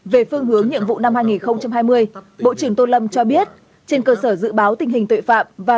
về phương hướng nhiệm vụ năm hai nghìn hai mươi bộ trưởng tô lâm cho biết trên cơ sở dự báo tình hình tội phạm và